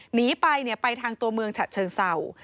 หนีไปไปทางตัวเมืองฉะเชิงเศร้า